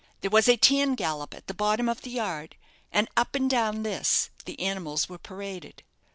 There was a tan gallop at the bottom of the yard, and up and down this the animals were paraded.